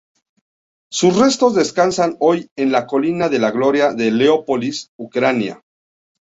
Sus restos descansan hoy en la Colina de la Gloria en Leópolis, Ucrania.